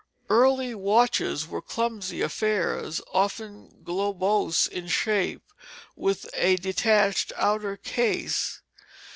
The early watches were clumsy affairs, often globose in shape, with a detached outer case.